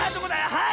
⁉はい！